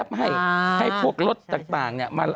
ให้พวกรถต่าง